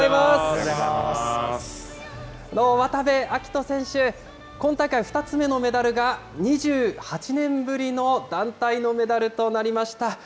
渡部暁斗選手、今大会、２つ目のメダルが２８年ぶりの団体のメダルとなりました。